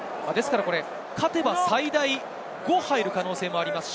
勝てば最大５入る可能性があります。